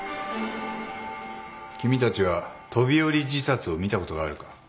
君たちは飛び降り自殺を見たことがあるか？